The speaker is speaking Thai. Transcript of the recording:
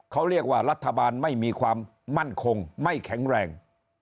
เขาเรียกว่ารัฐบาลไม่มีความมั่นคงไม่แข็งแรง